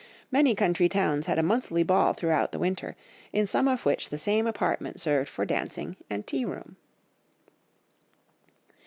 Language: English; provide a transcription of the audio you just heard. Many country towns had a monthly ball throughout the winter, in some of which the same apartment served for dancing and tea room."